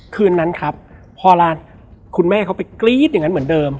คืนนั้นครับพอร้านคุณแม่เขาไปกรี๊ดอย่างนั้นเหมือนเดิม